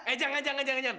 eh jangan jangan jangan